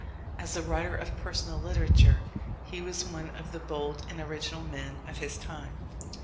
As a writer of personal literature, he was one of the bold and original men of his time.